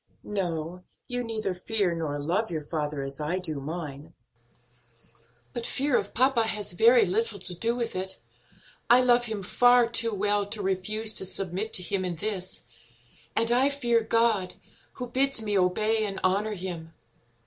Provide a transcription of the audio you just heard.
"No, you neither fear nor love your father as I do mine; but fear of papa has very little to do with it. I love him far too well to refuse to submit to him in this, and I fear God, who bids me obey and honor him.